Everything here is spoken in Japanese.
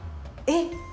えっ？